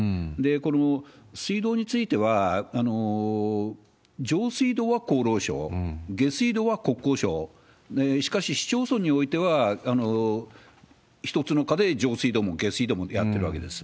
この水道については、上水道は厚労省、下水道は国交省、しかし市町村においては、１つの課で上水道も下水道もやってるわけです。